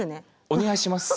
お願いします。